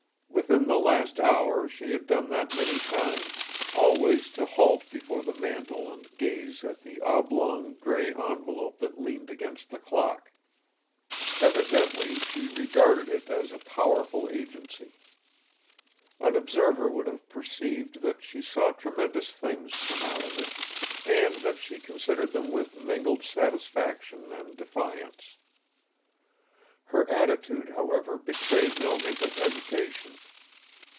Within the last hour she had done that many times, always to halt before the mantel and gaze at the oblong, grey envelope that leaned against the clock. Evidently, she regarded it as a powerful agency. An observer would have perceived that she saw tremendous things come out of it and that she considered them with mingled satisfaction and defiance. Her attitude, however, betrayed no hint of hesitation.